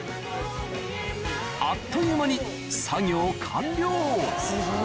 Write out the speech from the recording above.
あっという間に作業完了